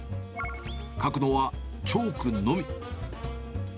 描くのはチョークのみ。